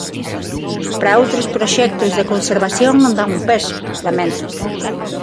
Para outros proxectos de conservación non dan un peso, lamenta.